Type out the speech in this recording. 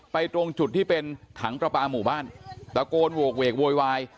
ตรงจุดที่เป็นถังประปาหมู่บ้านตะโกนโหกเวกโวยวาย